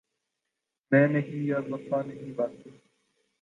میں نہیں یا وفا نہیں باقی